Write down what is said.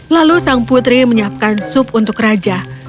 lalu sang putri menyiapkan sup untuk raja